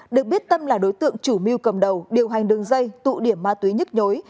được biết tâm là đối tượng chủ mưu cầm đầu điều hành đường dây tụ điểm ma túy nhức nhối